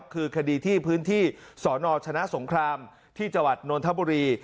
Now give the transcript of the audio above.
คือคดีที่พื้นที่สรฉสงครามที่จนทบุรี